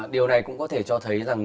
điều này cũng có thể cho thấy